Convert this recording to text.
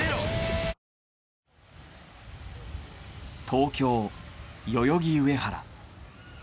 東京・代々木上原。